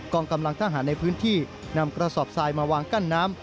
องกำลังทหารในพื้นที่นำกระสอบทรายมาวางกั้นน้ำ